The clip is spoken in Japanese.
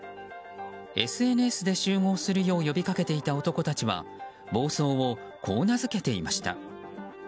ＳＮＳで集合するよう呼びかけていた男たちは暴走をこう名付けていました。